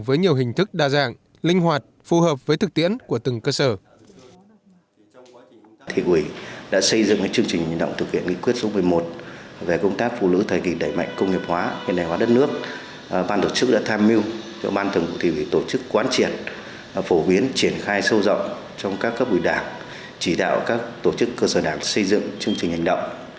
với nhiều hình thức đa dạng linh hoạt phù hợp với thực tiễn của từng cơ sở